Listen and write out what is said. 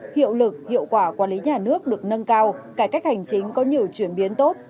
hiệu lực hiệu quả quản lý nhà nước được nâng cao cải cách hành chính có nhiều chuyển biến tốt